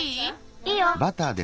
いいよ！